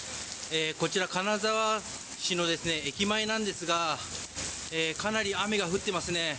こちら金沢市の駅前なんですがかなり雨が降っていますね。